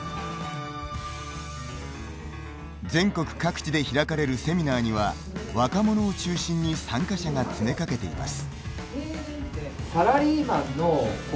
全国各地で開かれるセミナーには若者を中心に参加者が詰めかけています。